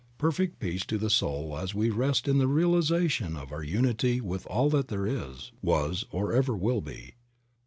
Perfect peace to the soul as we rest in the realization of our unity with all that there is, was or ever will be.